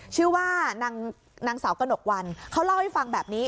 ชื่อว่านางสาวกระหนกวันเขาเล่าให้ฟังแบบนี้